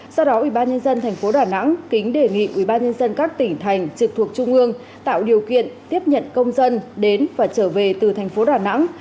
do đó ubnd tp đà nẵng kính đề nghị ubnd các tỉnh thành trực thuộc trung ương tạo điều kiện tiếp nhận công dân đến và trở về từ thành phố đà nẵng